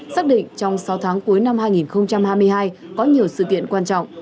xác định trong sáu tháng cuối năm hai nghìn hai mươi hai có nhiều sự kiện quan trọng